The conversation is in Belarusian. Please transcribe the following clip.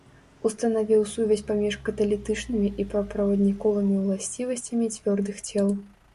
Устанавіў сувязь паміж каталітычнымі і паўправадніковымі ўласцівасцямі цвёрдых цел.